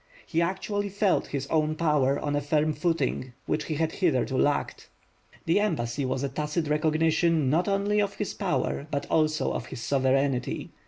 He actually felt his own power on a firm footing, which he had hitherto lacked. The embassy was a tacit recognition, not only of his power but also of his sovereignty.